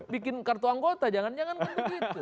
bikin kartu anggota jangan jangan kan begitu